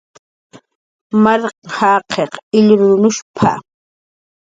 "Mark jaqin ilrunushp""a"